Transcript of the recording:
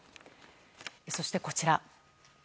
そして、こちら。